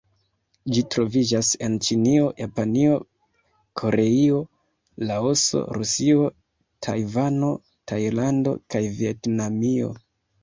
Ĝi troviĝas en Ĉinio, Japanio, Koreio, Laoso, Rusio, Tajvano, Tajlando kaj Vjetnamio.